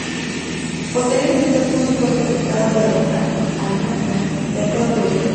Posteriormente ocurre un golpe de estado derroca al Nanga, y a todo el gobierno.